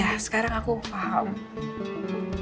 ya sekarang aku paham